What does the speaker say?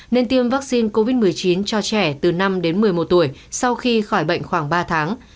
nên tiêm vaccine covid một mươi chín cho trẻ từ năm đến một mươi một tuổi sau khi khỏi bệnh khoảng ba tháng